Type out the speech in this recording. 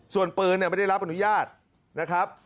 ส่วนปืนไม่ได้รับอนุญาตนะครับ